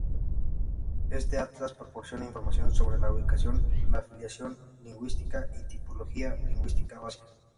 Este atlas proporciona información sobre la ubicación, la afiliación lingüística y tipología lingüística básica.